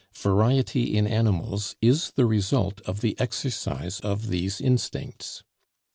Variety in animals is the result of the exercise of these instincts.